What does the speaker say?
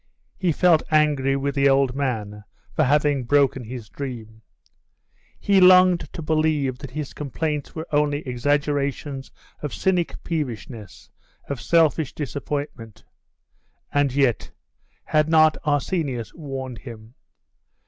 He felt angry with the old man for having broken his dream; he longed to believe that his complaints were only exaggerations of cynic peevishness, of selfish disappointment; and yet, had not Arsenius warned him?